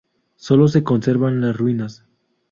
Sólo se conservan las ruinas.